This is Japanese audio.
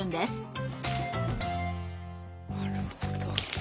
なるほど。